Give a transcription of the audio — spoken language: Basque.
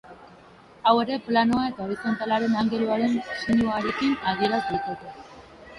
Hau ere planoa eta horizontalaren angeluaren sinuarekin adieraz daiteke.